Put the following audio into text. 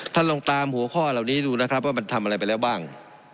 ลองตามหัวข้อเหล่านี้ดูนะครับว่ามันทำอะไรไปแล้วบ้าง